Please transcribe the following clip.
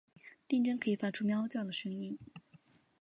电鲇可以发出猫叫的声音。